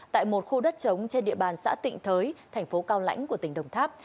tại một khu đất trống trên địa bàn xã tịnh thới thành phố cao lãnh của tỉnh đồng tháp